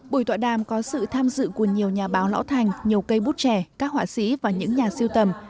buổi tọa đàm có sự tham dự của nhiều nhà báo lõ thành nhiều cây bút trẻ các họa sĩ và những nhà siêu tầm